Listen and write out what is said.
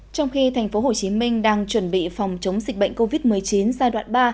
trong khi thành phố hồ chí minh đang chuẩn bị phòng chống dịch bệnh covid một mươi chín giai đoạn ba